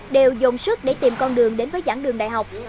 đều dồn sức để tìm con đường đến với giảng đường đại học